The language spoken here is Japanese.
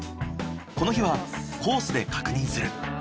この日はコースで確認する。